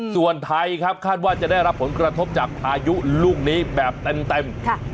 ส่วนไทยครับคาดว่าจะได้รับผลกระทบจากพายุลูกนี้แบบเต็ม